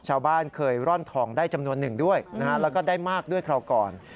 ชาวบ้านเคยร่อนทองได้จำนวนหนึ่งด้วยนะฮะแล้วก็ได้มากด้วยคราวก่อน